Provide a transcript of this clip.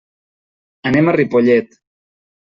Anem a Ripollet.